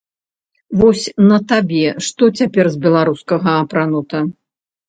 Вось на табе што цяпер з беларускага апранута?